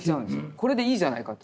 これでいいじゃないかと。